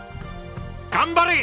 頑張れ！